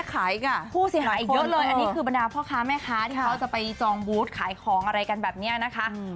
คือพ่อค้าแม่ค้าอีกอ่ะ